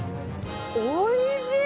おいしい！